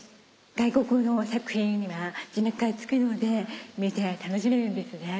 外国の作品には字幕がつくので見て楽しめるんですね。